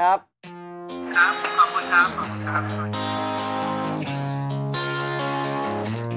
ครับขอบคุณครับ